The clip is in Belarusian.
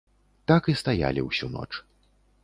Так і стаялі ўсю ноч.